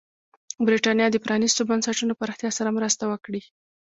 د برېټانیا د پرانېستو بنسټونو پراختیا سره مرسته وکړي.